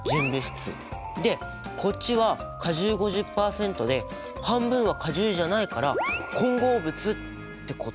でこっちは果汁５０％で半分は果汁じゃないから混合物ってこと？